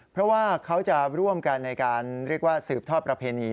เพราะว่าเขาจะร่วมกันในการเรียกว่าสืบทอดประเพณี